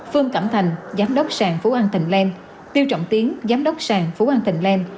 phương cẩm thành giám đốc sàng phú an thịnh lan tiêu trọng tiến giám đốc sàng phú an thịnh lan